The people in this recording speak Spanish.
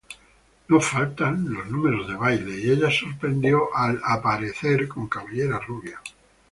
No faltan los números de baile y ella sorprendió al aparecer con cabellera rubia.